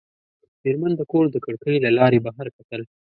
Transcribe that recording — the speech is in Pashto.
مېرمن د کور د کړکۍ له لارې بهر کتل.